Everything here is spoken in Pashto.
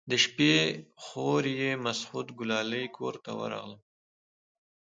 د شپې خوريي مسعود ګلالي کور ته ورغلم.